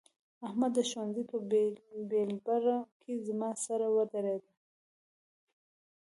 احمد د ښوونځي په بېلبره کې زما سره ودرېد.